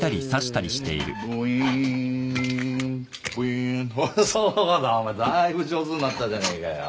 おおそうだお前だいぶ上手になったじゃねえかよ。